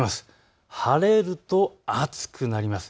晴れると暑くなります。